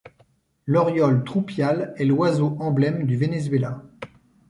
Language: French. L’Oriole troupiale est l’oiseau emblème du Venezuela.